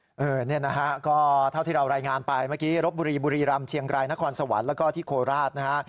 นี่นะฮะก็เท่าที่เรารายงานไปเมื่อกี้รบบุรีบุรีรำเชียงรายนครสวรรค์แล้วก็ที่โคราชนะฮะ